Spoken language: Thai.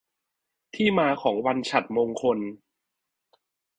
ที่มาของวันฉัตรมงคล